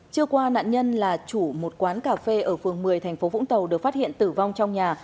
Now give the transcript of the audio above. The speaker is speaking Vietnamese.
trưa qua nạn nhân là chủ một quán cà phê ở phường một mươi thành phố vũng tàu được phát hiện tử vong trong nhà